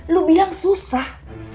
lu bilang susah